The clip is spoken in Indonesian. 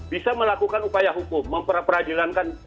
bisa melakukan upaya hukum memperadilankan